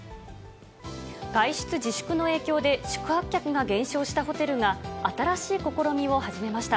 外出自粛の影響で宿泊客が減少したホテルが新しい試みを始めました。